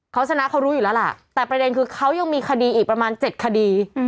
เขาชนะเขารู้อยู่แล้วล่ะแต่ประเด็นคือเขายังมีคดีอีกประมาณ๗คดี